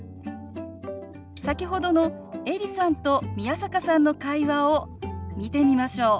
先ほどのエリさんと宮坂さんの会話を見てみましょう。